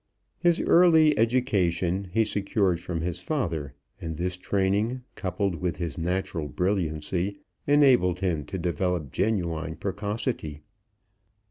His early education he secured from his father, and this training, coupled with his natural brilliancy, enabled him to develop genuine precocity.